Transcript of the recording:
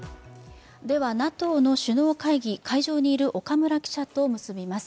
ＮＡＴＯの首脳会議会場にいる岡村記者と結びます。